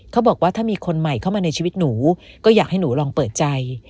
เขาบอกว่าถ้ามีคนใหม่เข้ามาในชีวิตหนูก็อยากให้หนูลองเปิดใจ